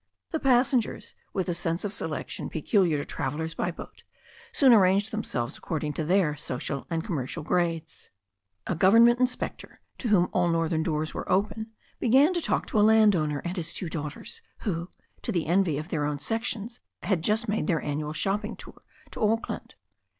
The passengers, with the sense of selection peculiar to travellers by boat, soon arranged themselves according to their social and commerdal ^ades. A government inspec THE STORY OF A NEW ZEALAND RIVER 259 tor, to whom all northern doors were open, began to talk to a landowner and his two daughters, who, to the envy of their own section, had just made their annual shopping tour to Auckland.